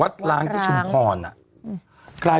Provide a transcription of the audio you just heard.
วัดล้างสัตว์ชุมพรน่ะ